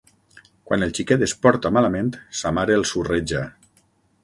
Quan el xiquet es porta malament, sa mare el surreja.